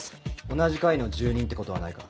同じ階の住人ってことはないか？